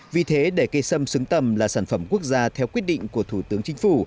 vì thế để cây sâm xứng tầm là sản phẩm quốc gia theo quyết định của thủ tướng chính phủ